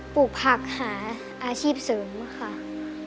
ปลูกผักหาอาชีพเสริมค่ะ